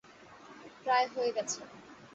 প্রায় হয়ে গেছে।